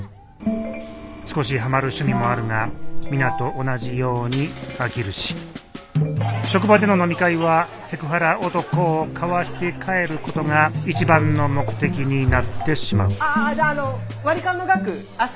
少しハマる趣味もあるが皆と同じように飽きるし職場での飲み会はセクハラ男をかわして帰ることが一番の目的になってしまうああ